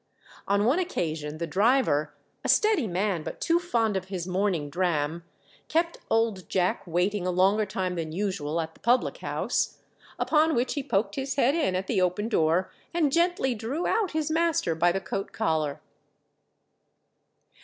On one occasion the driver, a steady man, but too fond of his morning dram, kept "Old Jack" waiting a longer time than usual at the public house, upon which he poked his head in at the open door, and gently drew out his master by the coat collar.